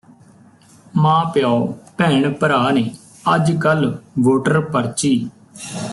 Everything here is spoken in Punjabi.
ਮਾਂ ਪਿਓ ਭੈਣ ਭਰਾ ਨੇ ਅੱਜ ਕੱਲ੍ਹ ਵੋਟਰ ਪਰਚੀ